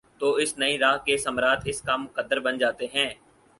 تو اس نئی راہ کے ثمرات اس کا مقدر بن جاتے ہیں ۔